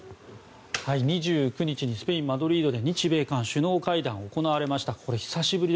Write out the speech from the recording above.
２９日にスペイン・マドリードで日米韓首脳会談が行われました。